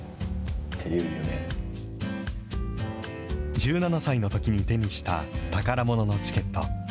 １７歳のときに手にした宝もののチケット。